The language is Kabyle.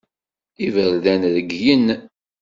Iberdan regglen.